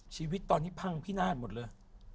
ชีวิตตอนนี้พังพินาศหมดเลย